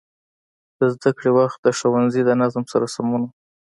د زده کړې وخت د ښوونځي د نظم سره سم و.